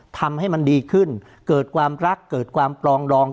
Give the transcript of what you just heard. ทำให้มันดีขึ้นเกิดความรักเกิดความปลองดอง